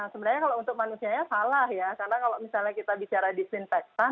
sebenarnya kalau untuk manusianya salah ya karena kalau misalnya kita bicara disinfektan